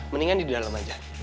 mendingan di dalam aja